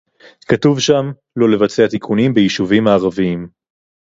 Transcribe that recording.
כתוב שם: לא לבצע תיקונים ביישובים הערביים